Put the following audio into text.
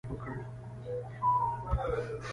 احمد د پلا په پیسو ښه عش عشرت وکړ.